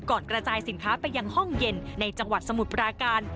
กระจายสินค้าไปยังห้องเย็นในจังหวัดสมุทรปราการ